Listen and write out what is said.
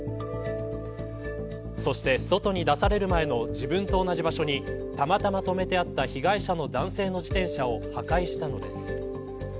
そして外に出される前の自分と同じ場所にたまたま止めてあった被害者の男性の自転車を破壊したのです。